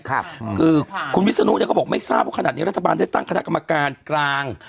คือคุณวิศนุเนี่ยก็บอกไม่ทราบว่าขนาดนี้รัฐบาลได้ตั้งคณะกรรมการกลาง